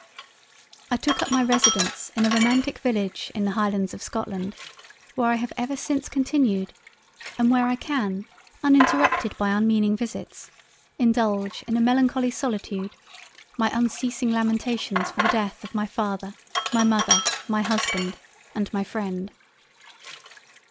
I took up my Residence in a Romantic Village in the Highlands of Scotland where I have ever since continued, and where I can uninterrupted by unmeaning Visits, indulge in a melancholy solitude, my unceasing Lamentations for the Death of my Father, my Mother, my Husband and my Freind.